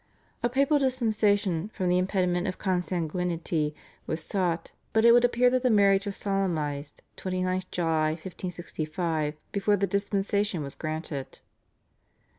A papal dispensation from the impediment of consanguinity was sought, but it would appear that the marriage was solemnised (29th July 1565) before the dispensation was granted.